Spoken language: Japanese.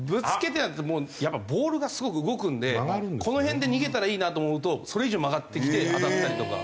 やっぱボールがすごく動くのでこの辺で逃げたらいいなと思うとそれ以上曲がってきて当たったりとか。